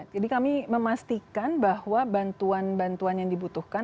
jadi kami memastikan bahwa bantuan bantuan yang dibutuhkan